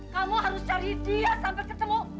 kamu harus cari dia sampai ketemu